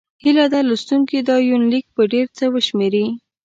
هيله ده لوستونکي دا یونلیک په ډېر څه وشمېري.